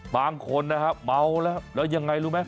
บางคนนะครับเมาแล้วยังไงรู้ไหม